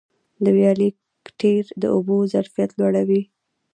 د ویالي کټېر د اوبو ظرفیت لوړوي.